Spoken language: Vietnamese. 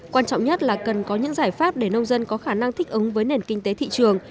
quan trọng nhất là cần có những giải pháp để nông dân có khả năng thích ứng với nền kinh tế thị trường